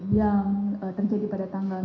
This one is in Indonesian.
yang terjadi pada tanggal